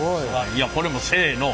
いやこれもうせの。